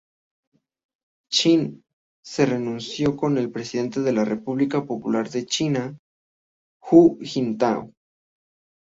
Chin se reunió con el Presidente de la República Popular de China, Hu Jintao.